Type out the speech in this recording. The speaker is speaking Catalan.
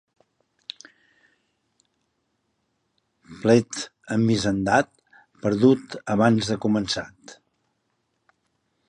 Plet amb hisendat, perdut abans de començat.